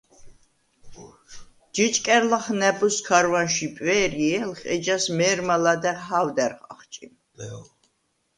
ჯჷჭკა̈რ ლახ ნა̈ბოზს ქარვანშვ იპვე̄რჲე̄ლხ, ეჯას მე̄რმა ლადა̈ღ ჰა̄ვდა̈რ ახჭიმ.